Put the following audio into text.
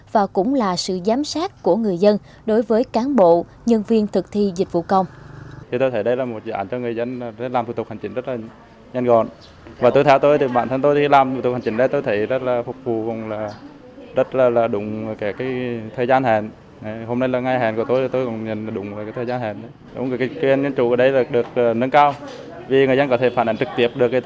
và cũng là sự giám sát của người dân đối với cán bộ nhân viên thực thi dịch vụ công